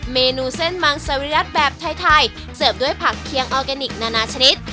เมนูเส้นมังสวิรัติแบบไทยเสิร์ฟด้วยผักเคียงออร์แกนิคนานานาชนิด